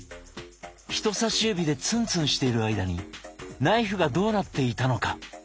人さし指でツンツンしている間にナイフがどうなっていたのか？